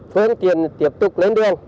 phương tiện tiếp tục lên đường